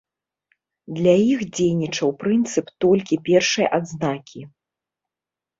Для іх дзейнічаў прынцып толькі першай адзнакі.